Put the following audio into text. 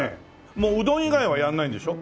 もううどん以外はやらないんでしょ？